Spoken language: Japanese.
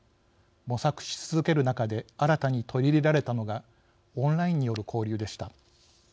模索し続ける中で新たに取り入れられたのがオンラインによる交流でした。